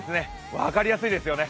分かりやすいですよね。